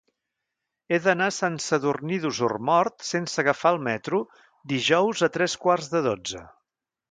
He d'anar a Sant Sadurní d'Osormort sense agafar el metro dijous a tres quarts de dotze.